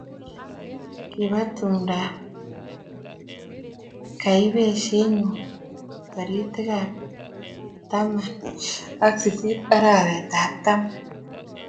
kibo tumdob kaibisie nyu tarikitab taman ak sisit arawetab taman